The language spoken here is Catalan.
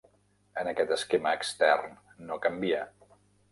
En aquest esquema extern no canvia.